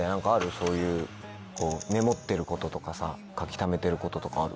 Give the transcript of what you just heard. そういうメモってることとかさ書きためてることとかある？